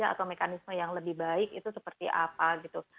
atau mekanisme yang lebih baik itu seperti apa gitu